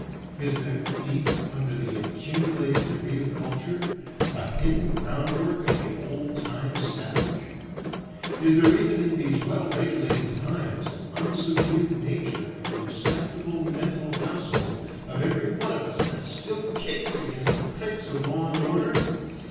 Is there, deep under the accumulated debris of culture, a hidden groundwork of the old time savage? Is there even in these well regulated times an unsubdued nature in the respectable mental household of every one of us that still kicks against the pricks of law and order?